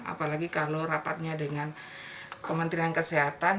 apalagi kalau rapatnya dengan kementerian kesehatan